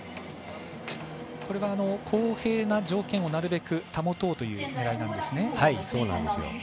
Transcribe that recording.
これは公平な条件をなるべく保とうという狙いなんですね。